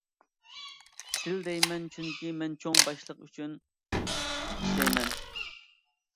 «سىل» دەيمەن، چۈنكى، مەن چوڭ باشلىق ئۈچۈن ئىشلەيمەن.